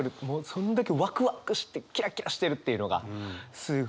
そんだけワクワクしてキラキラしてるっていうのがすごい分かる。